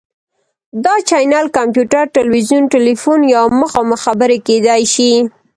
دا چینل کمپیوټر، تلویزیون، تیلیفون یا مخامخ خبرې کیدی شي.